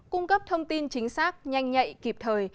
cung cấp thông tin chính xác nhanh nhạy kịp thời